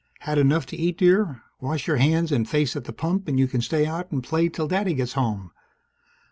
"Had enough to eat, dear? Wash your hands and face at the pump, and you can stay out and play till Daddy gets home.